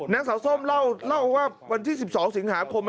นางสาวส้มเล่าว่าวันที่๑๒สิงหาคม